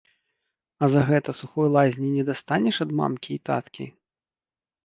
А за гэта сухой лазні не дастанеш ад мамкі і таткі?